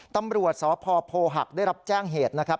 ตำรวจสพโพหักได้รับแจ้งเหตุนะครับ